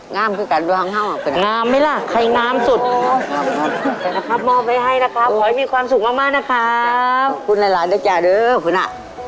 งามขึ้นกันเป็นไงห้าวห้าวจมมอบไว้ให้นะครับขอให้มีความสุขมากนะครับขอบคุณหลานดีจัยาดูคุณอะ